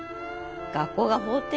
学校が法廷？